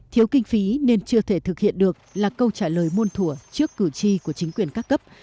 thiếu kinh phí nên chưa thể thực hiện được là câu trả lời môn thủa trước cử tri của chính quyền các cấp